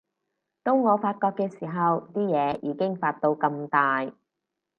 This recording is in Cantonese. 到我發覺嘅時候，啲嘢已經發到咁大